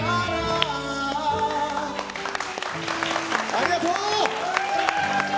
ありがとう！